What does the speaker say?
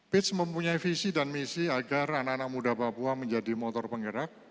pitch mempunyai visi dan misi agar anak anak muda papua menjadi motor penggerak